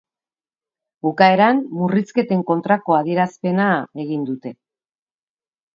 Bukaeran murrizketen kontrako adierazpena egin dute.